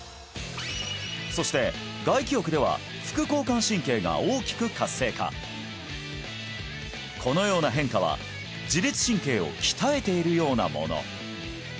そして外気浴では副交感神経が大きく活性化このような変化は自律神経を鍛えているようなもの